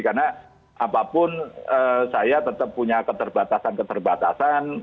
karena apapun saya tetap punya keterbatasan keterbatasan